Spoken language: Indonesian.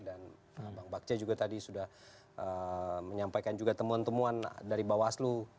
dan bang bakche juga tadi sudah menyampaikan juga temuan temuan dari bawaslu